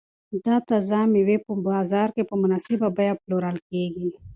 دا تازه مېوې په بازار کې په مناسبه بیه پلورل کیږي.